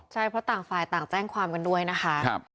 ใช่เพราะต่างฝ่ายต่างแจ้งความกันด้วยนะคะ